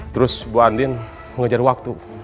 terus bu andin mengejar waktu